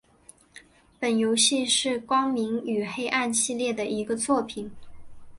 本游戏是光明与黑暗系列的一个作品。